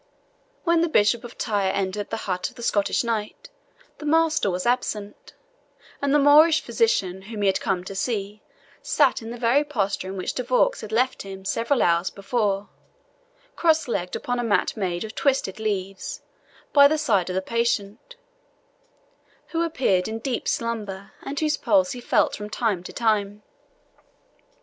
When the Bishop of Tyre entered the hut of the Scottish knight, the master was absent, and the Moorish physician, whom he had come to see, sat in the very posture in which De Vaux had left him several hours before, cross legged upon a mat made of twisted leaves, by the side of the patient, who appeared in deep slumber, and whose pulse he felt from time to time.